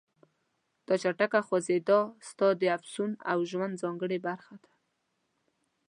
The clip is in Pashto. دا چټکه خوځېدا ستا د افسون او ژوند ځانګړې برخه ده.